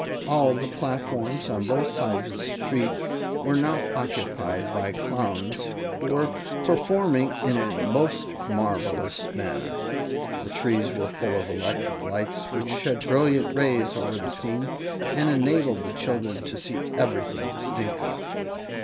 All the platforms on both sides of the street were now occupied by Clowns, who were performing in a most marvelous manner. The trees were full of electric lights, which shed brilliant rays over the scene and enabled the children to see everything distinctly.